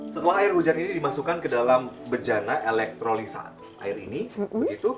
setelah air hujan ini dimasukkan ke dalam bejana elektrolisa air ini